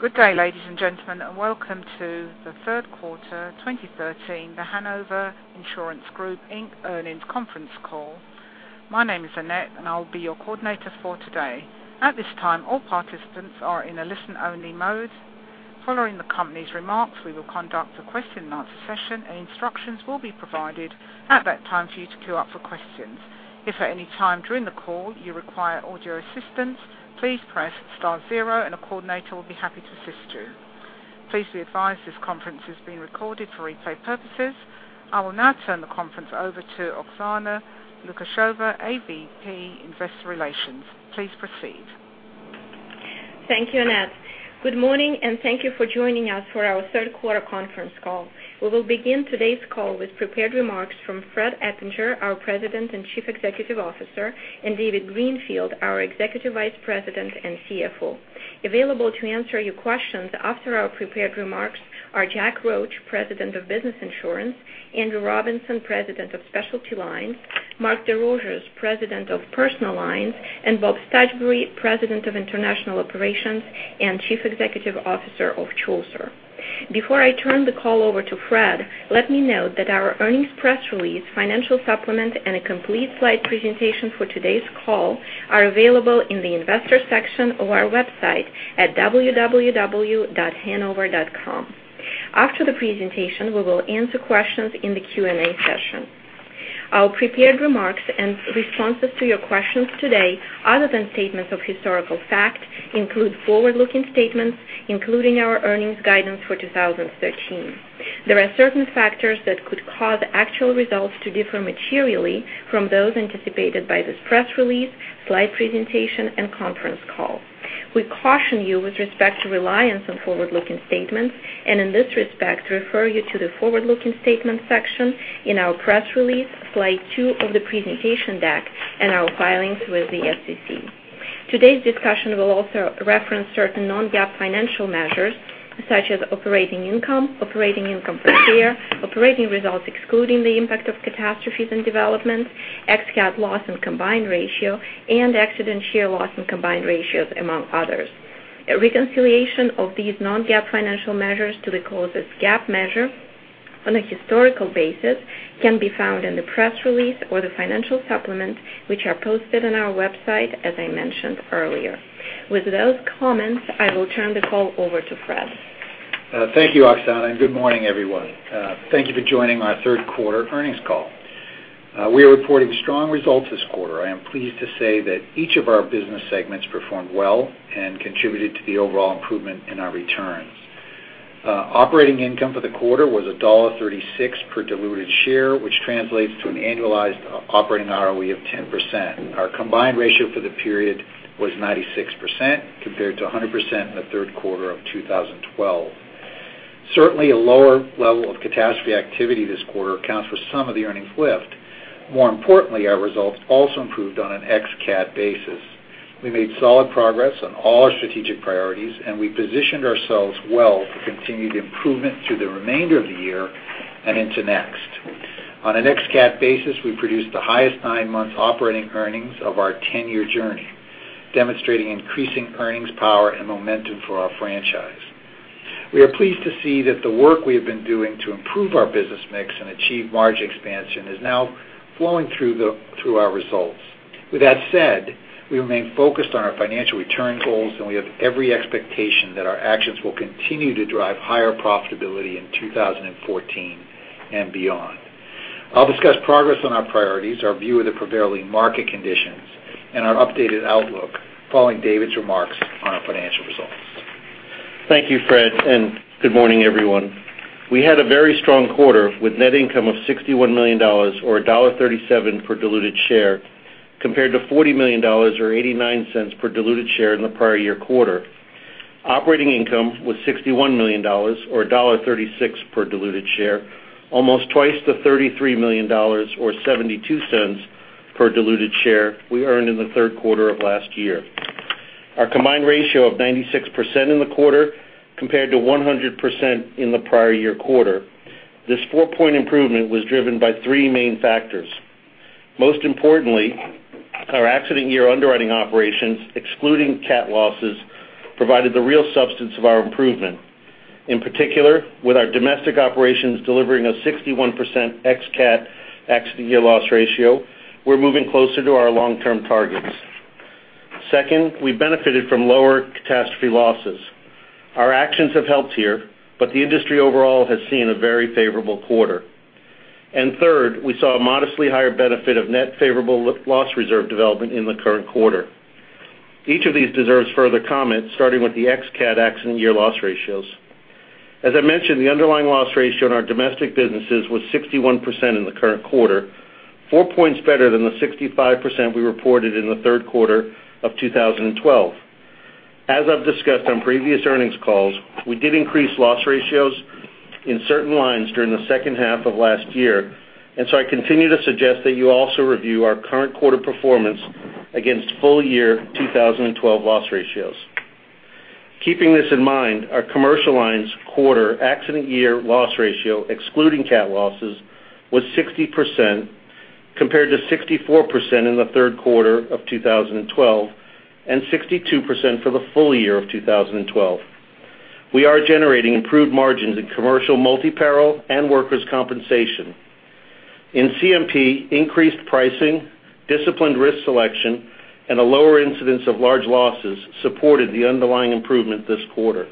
Good day, ladies and gentlemen, and welcome to the third quarter 2013 The Hanover Insurance Group, Inc. earnings conference call. My name is Annette, and I'll be your coordinator for today. At this time, all participants are in a listen-only mode. Following the company's remarks, we will conduct a question-and-answer session, and instructions will be provided at that time for you to queue up for questions. If at any time during the call you require audio assistance, please press star zero and a coordinator will be happy to assist you. Please be advised this conference is being recorded for replay purposes. I will now turn the conference over to Oksana Lukasheva, AVP, Investor Relations. Please proceed. Thank you, Annette. Good morning, and thank you for joining us for our third quarter conference call. We will begin today's call with prepared remarks from Fred Eppinger, our President and Chief Executive Officer, and David Greenfield, our Executive Vice President and CFO. Available to answer your questions after our prepared remarks are Jack Roche, President of Business Insurance, Andrew Robinson, President of Specialty Lines, Mark DesRosiers, President of Personal Lines, and Bob Stachury, President of International Operations and Chief Executive Officer of Chaucer. Before I turn the call over to Fred, let me note that our earnings press release, financial supplement, and a complete slide presentation for today's call are available in the investor section of our website at www.hanover.com. After the presentation, we will answer questions in the Q&A session. Our prepared remarks and responses to your questions today, other than statements of historical fact, include forward-looking statements, including our earnings guidance for 2013. There are certain factors that could cause actual results to differ materially from those anticipated by this press release, slide two of the presentation deck, and our filings with the SEC. We caution you with respect to reliance on forward-looking statements, and in this respect, refer you to the forward-looking statements section in our press release, slide two of the presentation deck, and our filings with the SEC. Today's discussion will also reference certain non-GAAP financial measures such as operating income, operating income per share, operating results excluding the impact of catastrophes and developments, ex-CAT loss and combined ratio, and accident year loss and combined ratios, among others. A reconciliation of these non-GAAP financial measures to the closest GAAP measure on a historical basis can be found in the press release or the financial supplement, which are posted on our website, as I mentioned earlier. With those comments, I will turn the call over to Fred. Thank you, Oksana, and good morning, everyone. Thank you for joining our third quarter earnings call. We are reporting strong results this quarter. I am pleased to say that each of our business segments performed well and contributed to the overall improvement in our returns. Operating income for the quarter was $1.36 per diluted share, which translates to an annualized operating ROE of 10%. Our combined ratio for the period was 96%, compared to 100% in the third quarter of 2012. Certainly, a lower level of catastrophe activity this quarter accounts for some of the earnings lift. More importantly, our results also improved on an ex-CAT basis. We made solid progress on all our strategic priorities. We positioned ourselves well to continue the improvement through the remainder of the year and into next. On an ex-CAT basis, we produced the highest nine-month operating earnings of our 10-year journey, demonstrating increasing earnings power and momentum for our franchise. We are pleased to see that the work we have been doing to improve our business mix and achieve margin expansion is now flowing through our results. With that said, we remain focused on our financial return goals. We have every expectation that our actions will continue to drive higher profitability in 2014 and beyond. I'll discuss progress on our priorities, our view of the prevailing market conditions, and our updated outlook following David's remarks on our financial results. Thank you, Fred. Good morning, everyone. We had a very strong quarter with net income of $61 million or $1.37 per diluted share, compared to $40 million or $0.89 per diluted share in the prior year quarter. Operating income was $61 million or $1.36 per diluted share, almost twice the $33 million or $0.72 per diluted share we earned in the third quarter of last year. Our combined ratio of 96% in the quarter compared to 100% in the prior year quarter. This four-point improvement was driven by three main factors. Most importantly, our accident year underwriting operations, excluding CAT losses, provided the real substance of our improvement. In particular, with our domestic operations delivering a 61% ex-CAT accident year loss ratio, we're moving closer to our long-term targets. Second, we benefited from lower catastrophe losses. Our actions have helped here, the industry overall has seen a very favorable quarter. Third, we saw a modestly higher benefit of net favorable loss reserve development in the current quarter. Each of these deserves further comment, starting with the ex-CAT accident year loss ratios. As I mentioned, the underlying loss ratio in our domestic businesses was 61% in the current quarter, four points better than the 65% we reported in the third quarter of 2012. As I've discussed on previous earnings calls, we did increase loss ratios in certain lines during the second half of last year. I continue to suggest that you also review our current quarter performance against full year 2012 loss ratios. Keeping this in mind, our commercial lines quarter accident year loss ratio, excluding CAT losses, was 60%. Compared to 64% in the third quarter of 2012 and 62% for the full year of 2012. We are generating improved margins in commercial multi-peril and workers' compensation. In CMP, increased pricing, disciplined risk selection, and a lower incidence of large losses supported the underlying improvement this quarter.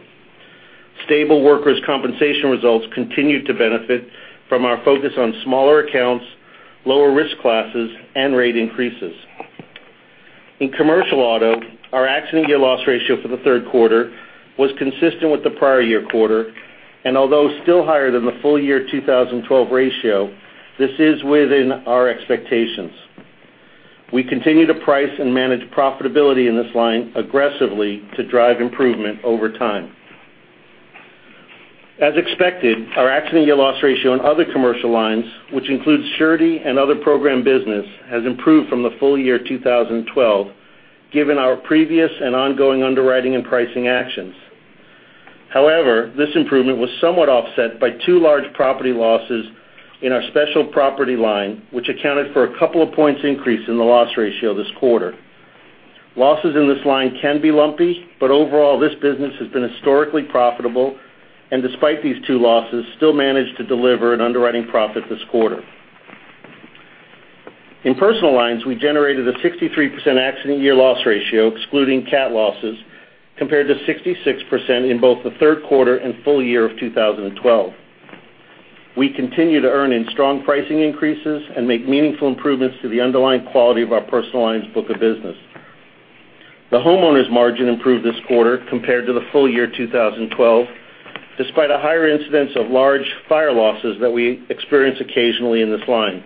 Stable workers' compensation results continued to benefit from our focus on smaller accounts, lower risk classes, and rate increases. In commercial auto, our accident year loss ratio for the third quarter was consistent with the prior year quarter, and although still higher than the full year 2012 ratio, this is within our expectations. We continue to price and manage profitability in this line aggressively to drive improvement over time. As expected, our accident year loss ratio in other commercial lines, which includes surety and other program business, has improved from the full year 2012, given our previous and ongoing underwriting and pricing actions. However, this improvement was somewhat offset by two large property losses in our special property line, which accounted for a couple of points increase in the loss ratio this quarter. Losses in this line can be lumpy, but overall, this business has been historically profitable, and despite these two losses, still managed to deliver an underwriting profit this quarter. In Personal Lines, we generated a 63% accident year loss ratio excluding CAT losses, compared to 66% in both the third quarter and full year of 2012. We continue to earn in strong pricing increases and make meaningful improvements to the underlying quality of our Personal Lines book of business. The homeowners' margin improved this quarter compared to the full year 2012, despite a higher incidence of large fire losses that we experience occasionally in this line.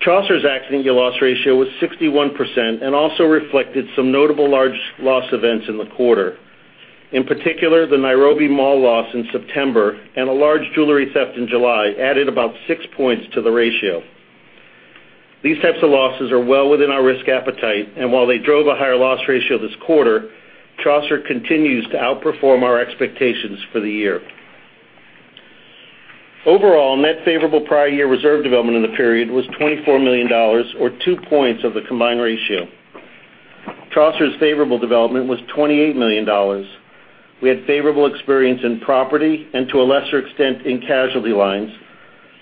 Chaucer's accident year loss ratio was 61% and also reflected some notable large loss events in the quarter. In particular, the Nairobi Mall loss in September and a large jewelry theft in July added about six points to the ratio. These types of losses are well within our risk appetite, and while they drove a higher loss ratio this quarter, Chaucer continues to outperform our expectations for the year. Overall, net favorable prior year reserve development in the period was $24 million, or two points of the combined ratio. Chaucer's favorable development was $28 million. We had favorable experience in property and to a lesser extent, in casualty lines.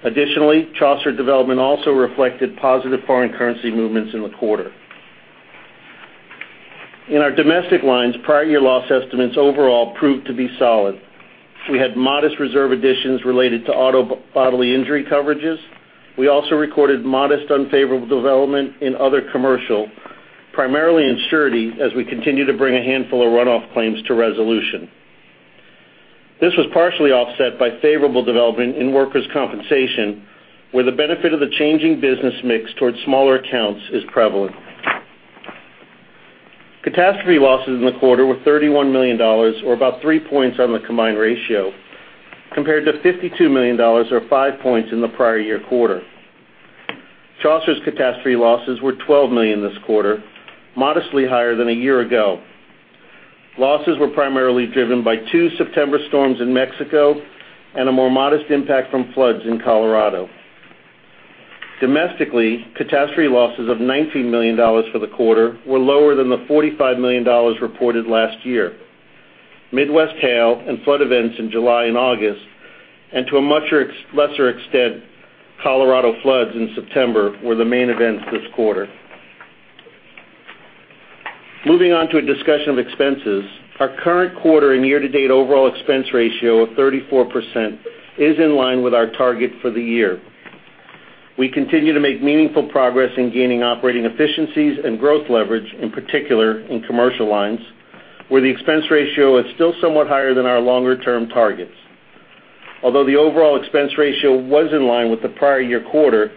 Additionally, Chaucer development also reflected positive foreign currency movements in the quarter. In our domestic lines, prior year loss estimates overall proved to be solid. We had modest reserve additions related to auto bodily injury coverages. We also recorded modest unfavorable development in other commercial, primarily in surety, as we continue to bring a handful of runoff claims to resolution. This was partially offset by favorable development in workers' compensation, where the benefit of the changing business mix towards smaller accounts is prevalent. Catastrophe losses in the quarter were $31 million, or about three points on the combined ratio, compared to $52 million, or five points in the prior year quarter. Chaucer's catastrophe losses were $12 million this quarter, modestly higher than a year ago. Losses were primarily driven by two September storms in Mexico and a more modest impact from floods in Colorado. Domestically, catastrophe losses of $19 million for the quarter were lower than the $45 million reported last year. Midwest hail and flood events in July and August, and to a much lesser extent, Colorado floods in September, were the main events this quarter. Moving on to a discussion of expenses. Our current quarter and year-to-date overall expense ratio of 34% is in line with our target for the year. We continue to make meaningful progress in gaining operating efficiencies and growth leverage, in particular in commercial lines, where the expense ratio is still somewhat higher than our longer-term targets. Although the overall expense ratio was in line with the prior year quarter,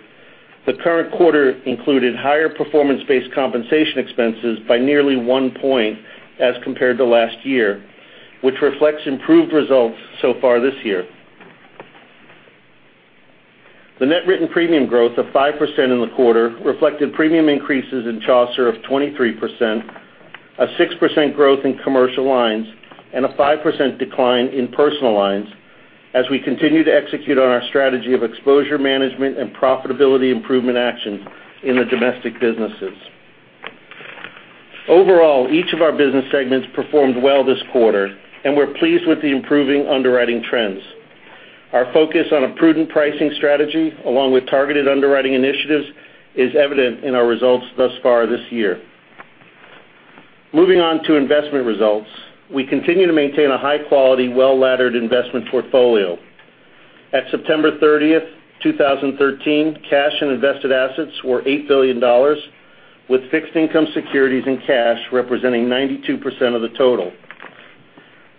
the current quarter included higher performance-based compensation expenses by nearly one point as compared to last year, which reflects improved results so far this year. The net written premium growth of 5% in the quarter reflected premium increases in Chaucer of 23%, a 6% growth in commercial lines, and a 5% decline in Personal Lines, as we continue to execute on our strategy of exposure management and profitability improvement actions in the domestic businesses. Overall, each of our business segments performed well this quarter, and we're pleased with the improving underwriting trends. Our focus on a prudent pricing strategy, along with targeted underwriting initiatives, is evident in our results thus far this year. Moving on to investment results. We continue to maintain a high-quality, well-laddered investment portfolio. At September 30th, 2013, cash and invested assets were $8 billion, with fixed income securities and cash representing 92% of the total.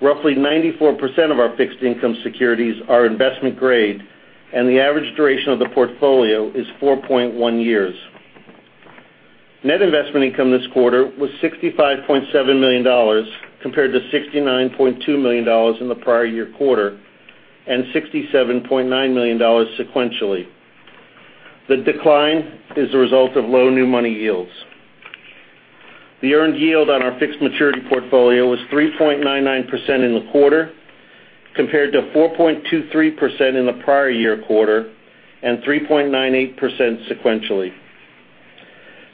Roughly 94% of our fixed income securities are investment grade, and the average duration of the portfolio is 4.1 years. Net investment income this quarter was $65.7 million, compared to $69.2 million in the prior year quarter, and $67.9 million sequentially. The decline is a result of low new money yields. The earned yield on our fixed maturity portfolio was 3.99% in the quarter, compared to 4.23% in the prior year quarter, and 3.98% sequentially.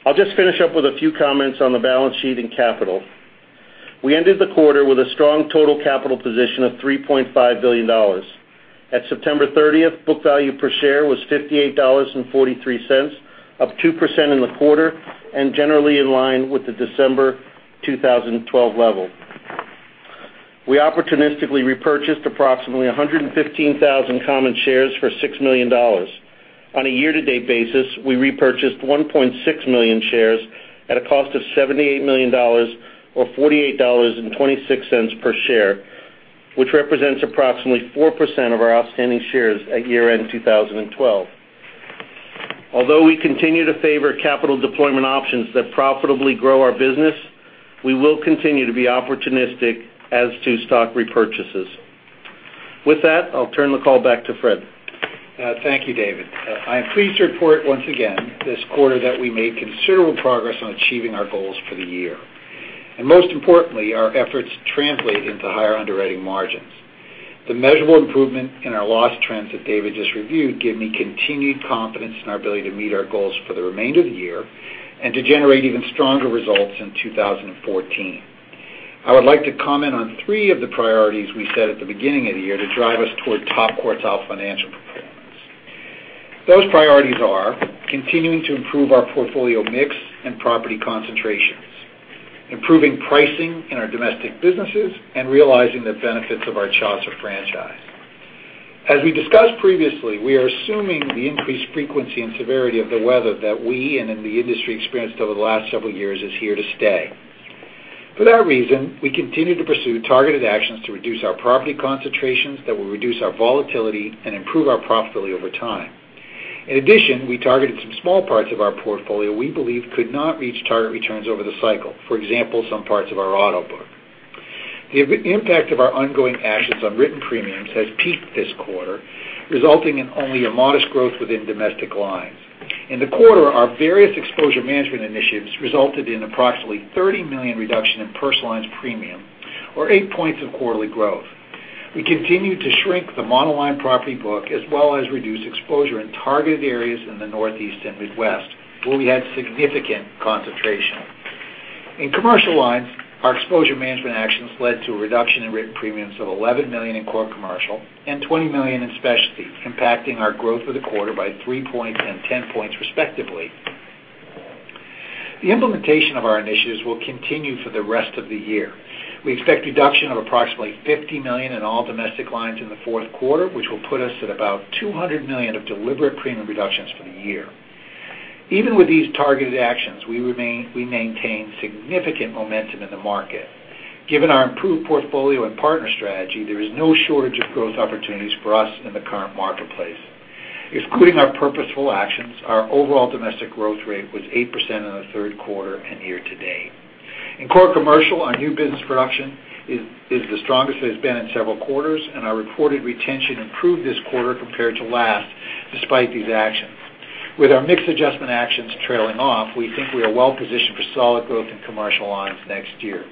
I'll just finish up with a few comments on the balance sheet and capital. We ended the quarter with a strong total capital position of $3.5 billion. At September 30th, book value per share was $58.43, up 2% in the quarter, and generally in line with the December 2012 level. We opportunistically repurchased approximately 115,000 common shares for $6 million. On a year-to-date basis, we repurchased 1.6 million shares at a cost of $78 million or $48.26 per share, which represents approximately 4% of our outstanding shares at year-end 2012. Although we continue to favor capital deployment options that profitably grow our business, we will continue to be opportunistic as to stock repurchases. With that, I'll turn the call back to Fred. Thank you, David. Most importantly, our efforts translate into higher underwriting margins. The measurable improvement in our loss trends that David just reviewed give me continued confidence in our ability to meet our goals for the remainder of the year and to generate even stronger results in 2014. I would like to comment on three of the priorities we set at the beginning of the year to drive us toward top quartile financial performance. Those priorities are continuing to improve our portfolio mix and property concentrations, improving pricing in our domestic businesses, and realizing the benefits of our Chaucer franchise. As we discussed previously, we are assuming the increased frequency and severity of the weather that we and in the industry experienced over the last several years is here to stay. For that reason, we continue to pursue targeted actions to reduce our property concentrations that will reduce our volatility and improve our profitability over time. In addition, we targeted some small parts of our portfolio we believe could not reach target returns over the cycle. For example, some parts of our auto book. The impact of our ongoing actions on written premiums has peaked this quarter, resulting in only a modest growth within domestic lines. In the quarter, our various exposure management initiatives resulted in approximately $30 million reduction in Personal Lines premium, or eight points of quarterly growth. We continued to shrink the monoline property book, as well as reduce exposure in targeted areas in the Northeast and Midwest, where we had significant concentration. In commercial lines, our exposure management actions led to a reduction in written premiums of $11 million in core commercial and $20 million in Specialty Lines, impacting our growth for the quarter by three points and 10 points respectively. The implementation of our initiatives will continue for the rest of the year. We expect deduction of approximately $50 million in all domestic lines in the fourth quarter, which will put us at about $200 million of deliberate premium reductions for the year. Even with these targeted actions, we maintain significant momentum in the market. Given our improved portfolio and partner strategy, there is no shortage of growth opportunities for us in the current marketplace. Excluding our purposeful actions, our overall domestic growth rate was 8% in the third quarter and year to date. In core commercial, our new business production is the strongest it's been in several quarters, and our reported retention improved this quarter compared to last, despite these actions. With our mix adjustment actions trailing off, we think we are well positioned for solid growth in commercial lines next year.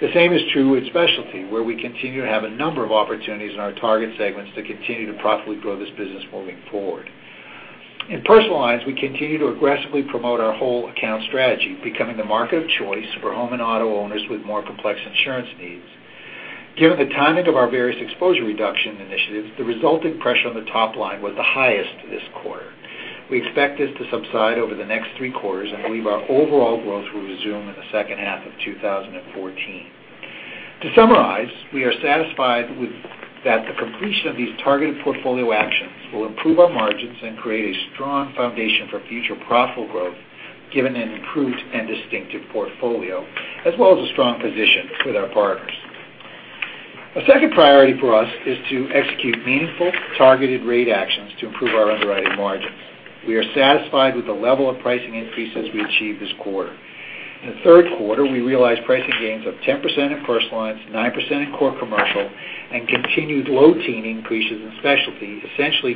The same is true with Specialty Lines, where we continue to have a number of opportunities in our target segments to continue to profitably grow this business moving forward. In Personal Lines, we continue to aggressively promote our whole account strategy, becoming the market of choice for home and auto owners with more complex insurance needs. Given the timing of our various exposure reduction initiatives, the resulting pressure on the top line was the highest this quarter. We expect this to subside over the next three quarters and believe our overall growth will resume in the second half of 2014. To summarize, we are satisfied that the completion of these targeted portfolio actions will improve our margins and create a strong foundation for future profitable growth given an improved and distinctive portfolio, as well as a strong position with our partners. A second priority for us is to execute meaningful targeted rate actions to improve our underwriting margins. We are satisfied with the level of pricing increases we achieved this quarter. In the third quarter, we realized pricing gains of 10% in Personal Lines, 9% in core commercial, and continued low teen increases in Specialty Lines, essentially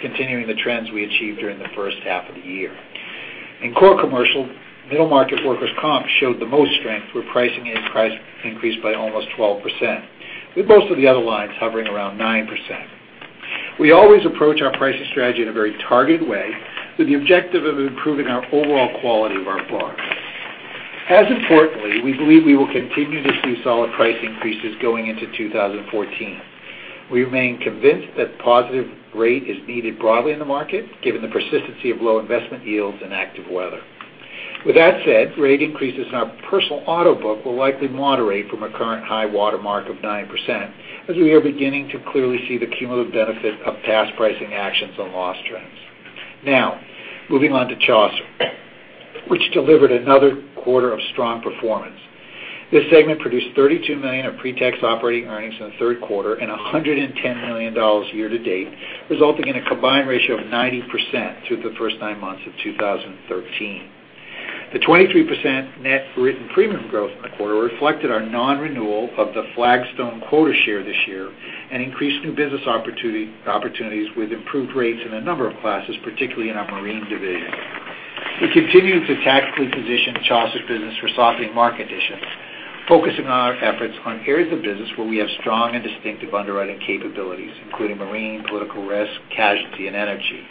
continuing the trends we achieved during the first half of the year. In core commercial, middle market workers' comp showed the most strength, where pricing increased by almost 12%, with most of the other lines hovering around 9%. We always approach our pricing strategy in a very targeted way with the objective of improving our overall quality of our book. As importantly, we believe we will continue to see solid price increases going into 2014. We remain convinced that positive rate is needed broadly in the market, given the persistency of low investment yields and active weather. With that said, rate increases in our personal auto book will likely moderate from a current high water mark of 9% as we are beginning to clearly see the cumulative benefit of past pricing actions on loss trends. Now, moving on to Chaucer, which delivered another quarter of strong performance. This segment produced $32 million of pre-tax operating earnings in the third quarter and $110 million year to date, resulting in a combined ratio of 90% through the first nine months of 2013. The 23% net written premium growth in the quarter reflected our non-renewal of the Flagstone quota share this year and increased new business opportunities with improved rates in a number of classes, particularly in our marine division. We continue to tactically position the Chaucer business for softening market conditions, focusing our efforts on areas of business where we have strong and distinctive underwriting capabilities, including marine, political risk, casualty, and energy.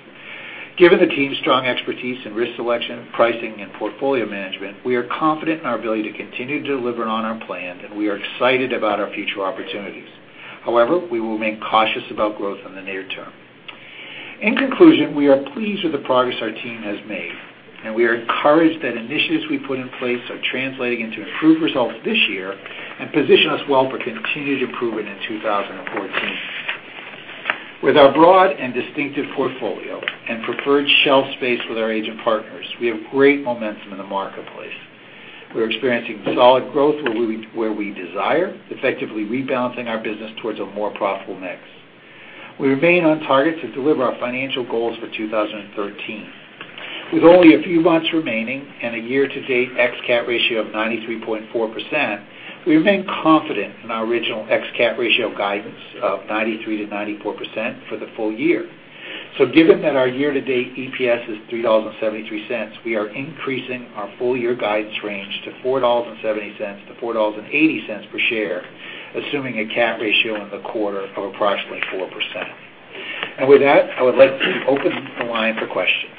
Given the team's strong expertise in risk selection, pricing, and portfolio management, we are confident in our ability to continue to deliver on our plan, and we are excited about our future opportunities. However, we will remain cautious about growth in the near term. In conclusion, we are pleased with the progress our team has made, and we are encouraged that initiatives we put in place are translating into improved results this year and position us well for continued improvement in 2014. With our broad and distinctive portfolio and preferred shelf space with our agent partners, we have great momentum in the marketplace. We're experiencing solid growth where we desire, effectively rebalancing our business towards a more profitable mix. We remain on target to deliver our financial goals for 2013. With only a few months remaining and a year-to-date ex-CAT ratio of 93.4%, we remain confident in our original ex-CAT ratio guidance of 93%-94% for the full year. Given that our year-to-date EPS is $3.73, we are increasing our full-year guidance range to $4.70-$4.80 per share, assuming a CAT ratio in the quarter of approximately 4%. With that, I would like to open the line for questions.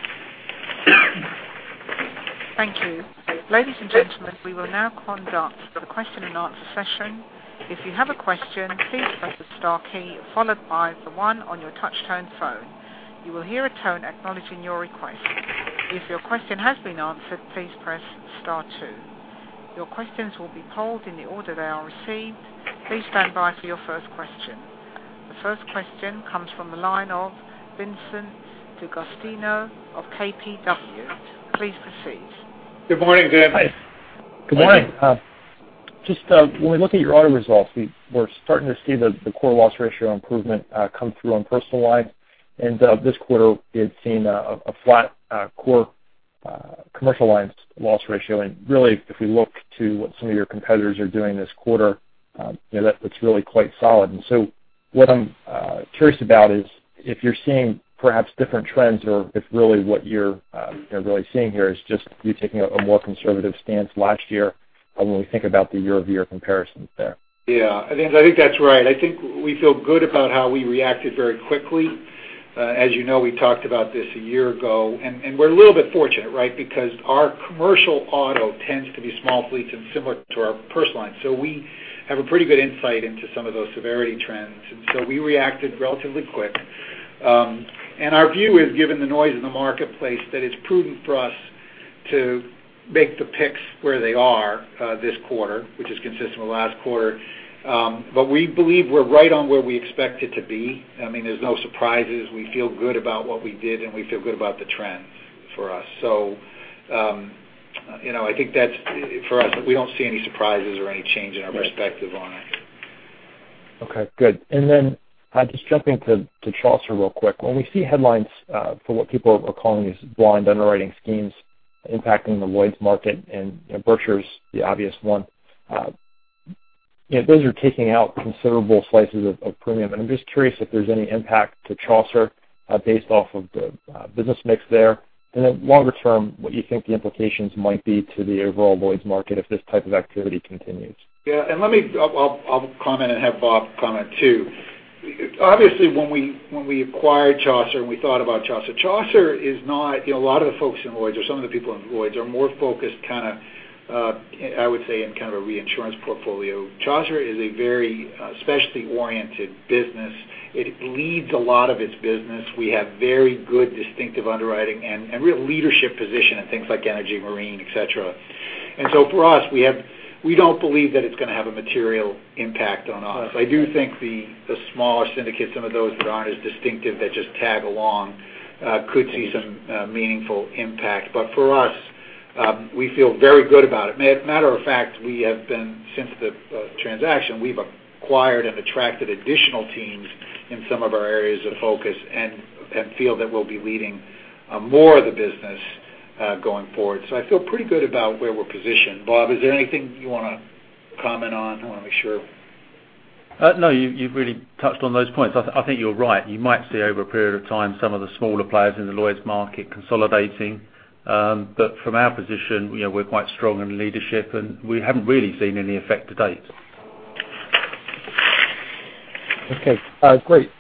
Thank you. Ladies and gentlemen, we will now conduct the question and answer session. If you have a question, please press the star key followed by the one on your touchtone phone. You will hear a tone acknowledging your request. If your question has been answered, please press star two. Your questions will be polled in the order they are received. Please stand by for your first question. The first question comes from the line of Vincent D'Agostino of KBW. Please proceed. Good morning, David. Good morning. Just when we look at your auto results, we're starting to see the core loss ratio improvement come through on Personal Lines. This quarter, we had seen a flat core commercial lines loss ratio. Really, if we look to what some of your competitors are doing this quarter, that's really quite solid. What I'm curious about is if you're seeing perhaps different trends or if really what you're really seeing here is just you taking a more conservative stance last year when we think about the year-over-year comparisons there. Yeah, I think that's right. I think we feel good about how we reacted very quickly. As you know, we talked about this a year ago, and we're a little bit fortunate, right? Because our commercial auto tends to be small fleets and similar to our personal line. We have a pretty good insight into some of those severity trends, and so we reacted relatively quick. Our view is, given the noise in the marketplace, that it's prudent for us to make the picks where they are this quarter, which is consistent with last quarter. We believe we're right on where we expect it to be. There's no surprises. We feel good about what we did, and we feel good about the trends for us. I think that for us, we don't see any surprises or any change in our perspective on it. Okay, good. Just jumping to Chaucer real quick. When we see headlines for what people are calling these blind underwriting schemes impacting the Lloyd's market and Berkshire's the obvious one, those are taking out considerable slices of premium. I'm just curious if there's any impact to Chaucer based off of the business mix there. Longer term, what you think the implications might be to the overall Lloyd's market if this type of activity continues. Yeah. I'll comment and have Bob comment too. Obviously, when we acquired Chaucer, and we thought about Chaucer. A lot of the folks in Lloyd's or some of the people in Lloyd's are more focused, I would say, in kind of a reinsurance portfolio. Chaucer is a very specialty-oriented business. It leads a lot of its business. We have very good distinctive underwriting and real leadership position in things like energy, marine, et cetera. For us, we don't believe that it's going to have a material impact on us. I do think the smaller syndicates, some of those that aren't as distinctive, that just tag along, could see some meaningful impact. For us, we feel very good about it. Matter of fact, we have been, since the transaction, we've acquired and attracted additional teams in some of our areas of focus and feel that we'll be leading more of the business going forward. I feel pretty good about where we're positioned. Bob, is there anything you want to comment on? I want to make sure. You've really touched on those points. I think you're right. You might see over a period of time some of the smaller players in the Lloyd's market consolidating. From our position, we're quite strong in leadership, and we haven't really seen any effect to date. Okay, great.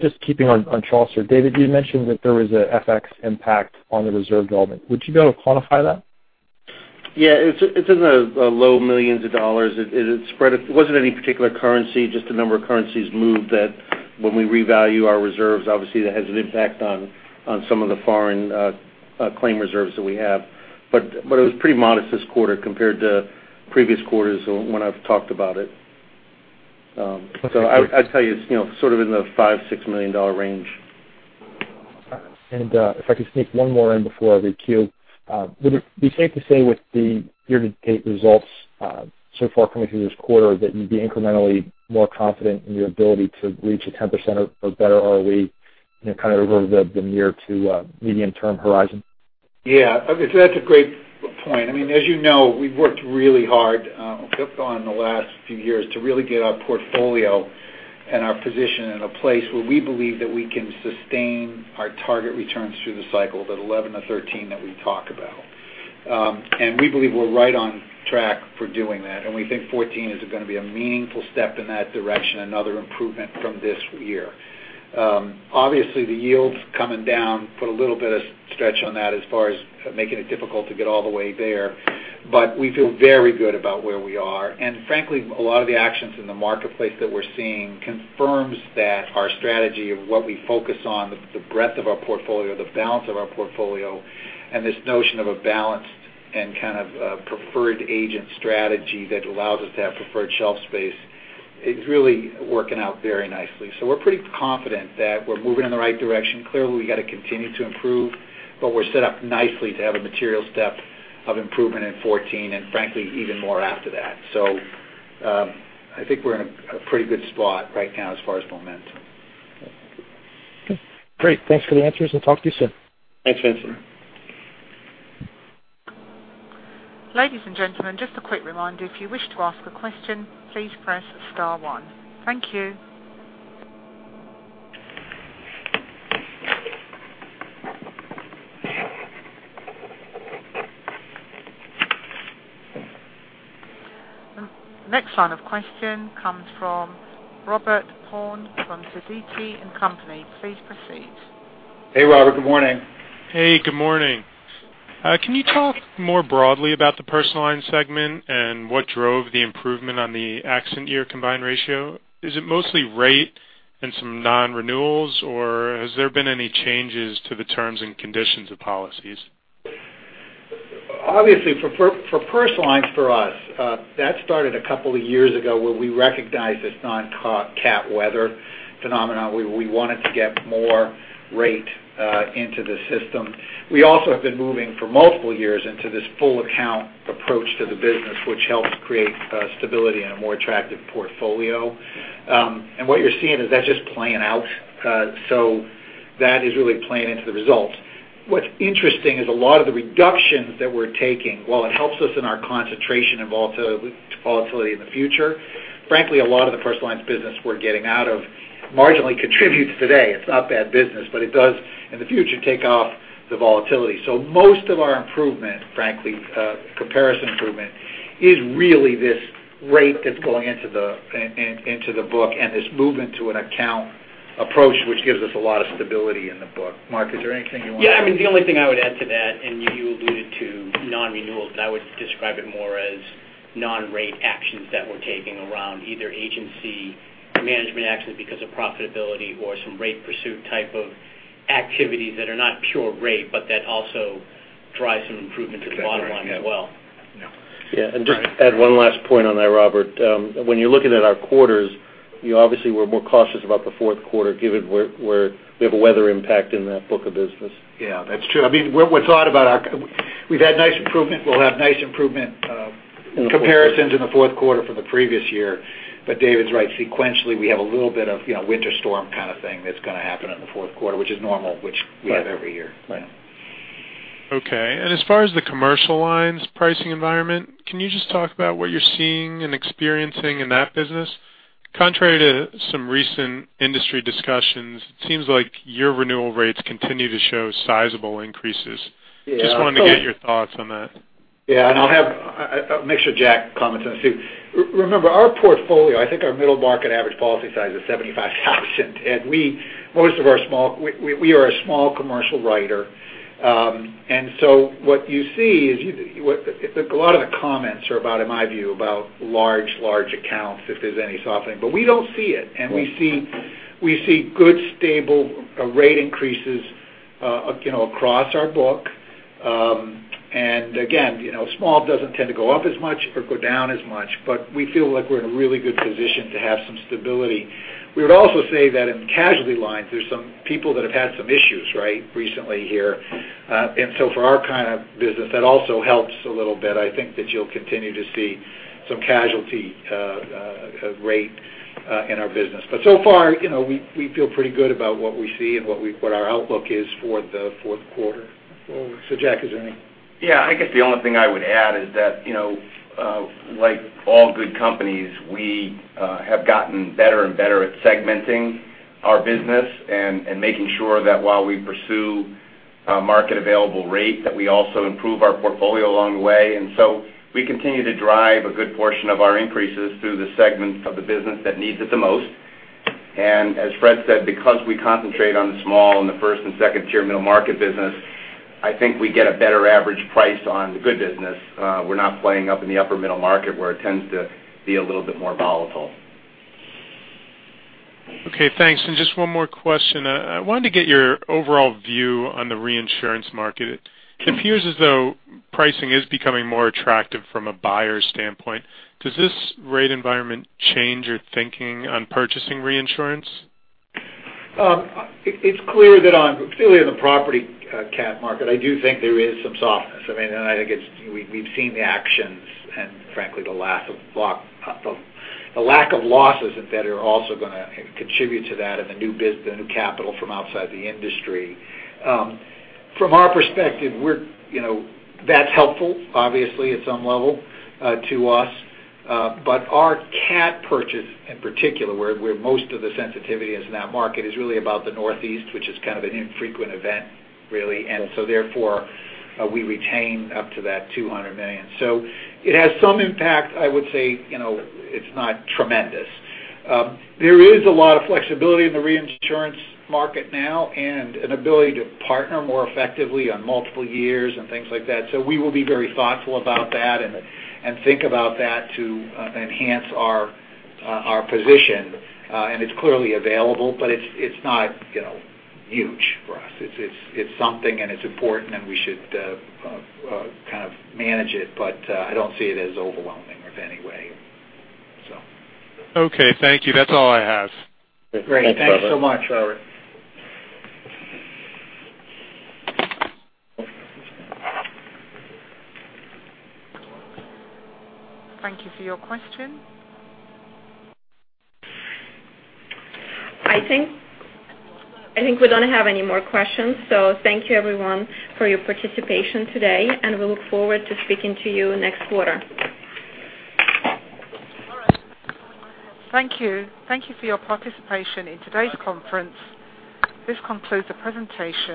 Just keeping on Chaucer, David, you mentioned that there was an FX impact on the reserve development. Would you be able to quantify that? Yeah. It's in the low millions of dollars. It spread. It wasn't any particular currency, just a number of currencies moved that when we revalue our reserves, obviously that has an impact on some of the foreign claim reserves that we have. It was pretty modest this quarter compared to previous quarters when I've talked about it. I'd tell you it's sort of in the $5 million, $6 million range. If I could sneak one more in before I queue. Would it be safe to say with the year-to-date results so far coming through this quarter that you'd be incrementally more confident in your ability to reach a 10% or better ROE kind of over the near to medium-term horizon? Yeah. Okay. That's a great point. As you know, we've worked really hard on the last few years to really get our portfolio and our position in a place where we believe that we can sustain our target returns through the cycle, that 11-13 that we talk about. We believe we're right on track for doing that, and we think 2014 is going to be a meaningful step in that direction, another improvement from this year. Obviously, the yields coming down put a little bit of stretch on that as far as making it difficult to get all the way there. We feel very good about where we are. Frankly, a lot of the actions in the marketplace that we're seeing confirms that our strategy of what we focus on, the breadth of our portfolio, the balance of our portfolio, and this notion of a balanced and kind of preferred agent strategy that allows us to have preferred shelf space, is really working out very nicely. We're pretty confident that we're moving in the right direction. Clearly, we've got to continue to improve, but we're set up nicely to have a material step of improvement in 2014, and frankly, even more after that. I think we're in a pretty good spot right now as far as momentum. Okay. Great. Thanks for the answers, and talk to you soon. Thanks, Vincent. Ladies and gentlemen, just a quick reminder, if you wish to ask a question, please press star one. Thank you. The next line of question comes from Robert Horne from Sidoti & Company. Please proceed. Hey, Robert. Good morning. Hey, good morning. Can you talk more broadly about the Personal Lines segment and what drove the improvement on the accident year combined ratio? Is it mostly rate and some non-renewals, or has there been any changes to the terms and conditions of policies? Obviously, for Personal Lines for us, that started a couple of years ago where we recognized this non-CAT weather phenomenon, where we wanted to get more rate into the system. We also have been moving for multiple years into this full account approach to the business, which helps create stability and a more attractive portfolio. What you're seeing is that just playing out. That is really playing into the results. What's interesting is a lot of the reductions that we're taking, while it helps us in our concentration of volatility in the future, frankly, a lot of the Personal Lines business we're getting out of marginally contributes today. It's not bad business, but it does, in the future, take off the volatility. Most of our improvement, frankly, comparison improvement, is really this rate that's going into the book and this movement to an account approach, which gives us a lot of stability in the book. Mark, is there anything you want to add? I mean, the only thing I would add to that, you alluded to non-renewals, I would describe it more as non-rate actions that we're taking around either agency management actions because of profitability or some rate pursuit type of activities that are not pure rate, that also drive some improvement to the bottom line as well. Yeah. Just to add one last point on that, Robert. When you're looking at our quarters, you obviously were more cautious about the fourth quarter, given we have a weather impact in that book of business. That's true. I mean, we've had nice improvement. We'll have nice improvement comparisons in the fourth quarter from the previous year. David's right. Sequentially, we have a little bit of winter storm kind of thing that's going to happen in the fourth quarter, which is normal, which we have every year. Right. Okay. As far as the commercial lines pricing environment, can you just talk about what you're seeing and experiencing in that business? Contrary to some recent industry discussions, it seems like your renewal rates continue to show sizable increases. Yeah. Just wanted to get your thoughts on that. Yeah, I'll make sure Jack comments on it too. Remember, our portfolio, I think our middle market average policy size is $75,000. We are a small commercial writer. What you see is, a lot of the comments are, in my view, about large accounts, if there's any softening. We don't see it, and we see good, stable rate increases across our book. Again, small doesn't tend to go up as much or go down as much, but we feel like we're in a really good position to have some stability. We would also say that in casualty lines, there's some people that have had some issues recently here. For our kind of business, that also helps a little bit. I think that you'll continue to see some casualty rate in our business. So far, we feel pretty good about what we see and what our outlook is for the fourth quarter. Jack, is there any? I guess the only thing I would add is that like all good companies, we have gotten better and better at segmenting our business and making sure that while we pursue market available rate, that we also improve our portfolio along the way. So we continue to drive a good portion of our increases through the segment of the business that needs it the most. As Fred said, because we concentrate on the small and the first and second tier middle market business, I think we get a better average price on the good business. We're not playing up in the upper middle market where it tends to be a little bit more volatile. Okay, thanks. Just one more question. I wanted to get your overall view on the reinsurance market. It appears as though pricing is becoming more attractive from a buyer's standpoint. Does this rate environment change your thinking on purchasing reinsurance? It's clear that particularly in the property CAT market, I do think there is some softness. I mean, I think we've seen the actions and frankly, the lack of losses that are also going to contribute to that and the new capital from outside the industry. From our perspective, that's helpful, obviously, at some level to us. Our CAT purchase in particular, where most of the sensitivity is in that market, is really about the Northeast, which is kind of an infrequent event, really. Therefore, we retain up to that $200 million. It has some impact, I would say it's not tremendous. There is a lot of flexibility in the reinsurance market now and an ability to partner more effectively on multiple years and things like that. We will be very thoughtful about that and think about that to enhance our position. It's clearly available, but it's not huge for us. It's something, and it's important, and we should kind of manage it, but I don't see it as overwhelming in any way. Okay, thank you. That's all I have. Great. Thanks so much, Robert. Thank you for your question. I think we don't have any more questions. Thank you everyone for your participation today. We look forward to speaking to you next quarter. Thank you. Thank you for your participation in today's conference. This concludes the presentation.